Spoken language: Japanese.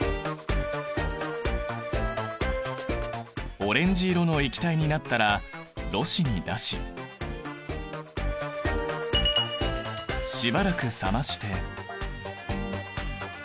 オレンジ色の液体になったらろ紙に出ししばらく冷まして。